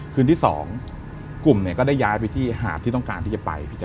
คืนที่๒กลุ่มก็ได้ย้ายไปที่หาดที่ต้องการที่จะไป